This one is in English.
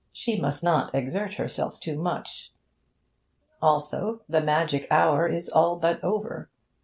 She must not exert herself too much. Also, the magic hour is all but over.